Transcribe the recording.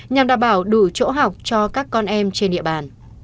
nhằm đảm bảo đủ chỗ học cho các con em trên địa bàn